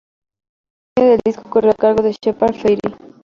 El diseño del disco corrió a cargo de Shepard Fairey.